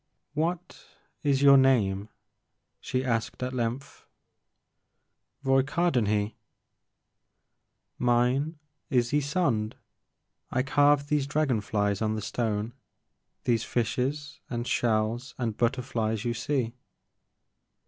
What is your name ?she asked at length. Roy Cardenhe.*' Mine is Ysonde. I carved these dragon flies on the stone, these fishes and shells and butterflies you see."